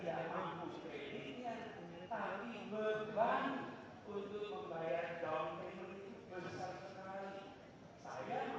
bukan dia mampu kreditnya tapi beban untuk membayar daun krim besar sekali